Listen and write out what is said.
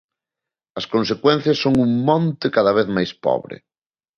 As consecuencias son un monte cada vez máis pobre.